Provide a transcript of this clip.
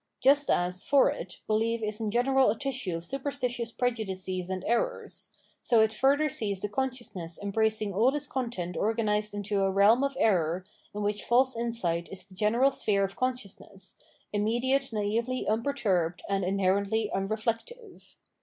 Just as, for it, belief is in general a tissue of superstitious prejudices and errors ; so it further sees the consciousness embracing all this content organised into a realm of error, in which false insight is the general sphere of consciousness, immediate, naively unperturbed, and inherently unreflective.